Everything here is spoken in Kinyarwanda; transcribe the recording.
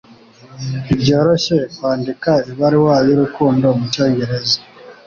Ntibyoroshye kwandika ibaruwa y'urukundo mucyongereza